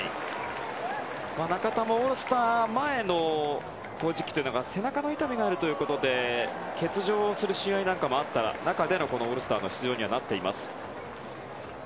中田もオールスター前の時期というのは背中の痛みがあるということで欠場する試合なんかもあった中でのオールスターの出場になっています。